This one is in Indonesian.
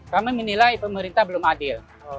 kami menilai pemerintah belum adil